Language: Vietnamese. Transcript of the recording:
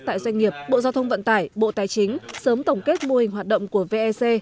tại doanh nghiệp bộ giao thông vận tải bộ tài chính sớm tổng kết mô hình hoạt động của vec